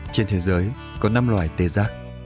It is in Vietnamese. trên thế giới có năm loài tê giác